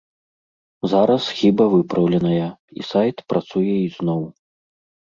Зараз хіба выпраўленая, і сайт працуе ізноў.